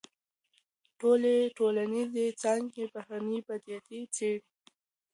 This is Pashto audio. ټولي ټولنيزي څانګي بهرنۍ پديدې څېړي.